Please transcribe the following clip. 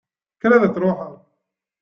Kker ad truḥeḍ!